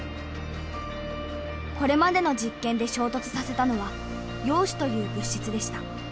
これまでの実験で衝突させたのは陽子という物質でした。